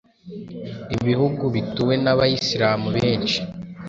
ibihugu bituwe n’abayislam benshi,